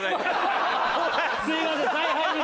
すいません。